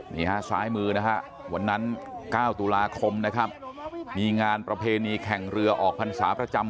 นี่ครับสายมือนะครับวันนั้น๙ตุลาคมนะครับ